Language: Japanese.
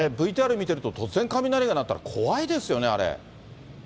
ＶＴＲ見てると、突然雷が鳴ったら、怖いですよね、あれ。